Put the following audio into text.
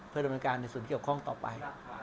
เพื่อดำเนินการในส่วนเกี่ยวข้องต่อไป